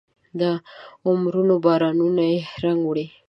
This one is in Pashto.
د عمرونو بارانونو یې رنګ وړی